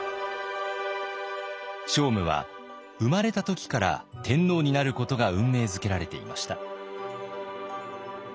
聖武は生まれた時から天皇になることが運命づけられていました。